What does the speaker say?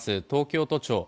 東京都庁。